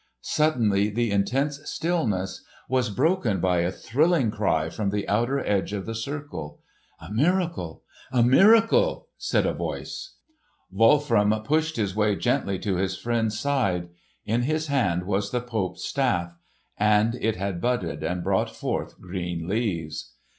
Suddenly the intense stillness was broken by a thrilling cry from the outer edge of the circle. "A miracle! a miracle!" said a voice. Wolfram pushed his way gently to his friend's side. In his hand was the Pope's staff—and it had budded and brought forth green leaves!